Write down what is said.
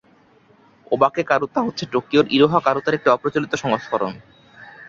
ওবাকে কারুতা হচ্ছে টোকিওর ইরোহা কারুতার একটি অপ্রচলিত সংস্করণ।